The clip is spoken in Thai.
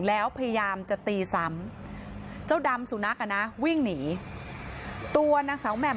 แล้วพยายามจะตีซ้ำเจ้าดำสุนัขอ่ะนะวิ่งหนีตัวนางสาวแหม่ม